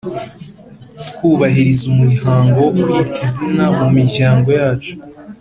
twubahiriza umuhango wo kwita izina mu miryango yacu,